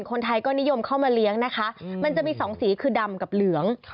คนไทยก็นิยมเข้ามาเลี้ยงนะคะมันจะมีสองสีคือดำกับเหลือง